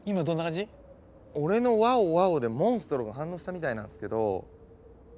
俺の「ワオワオ」でモンストロが反応したみたいなんですけど。